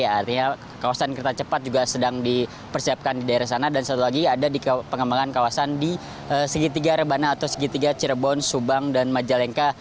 artinya kawasan kereta cepat juga sedang dipersiapkan di daerah sana dan satu lagi ada di pengembangan kawasan di segitiga rebana atau segitiga cirebon subang dan majalengka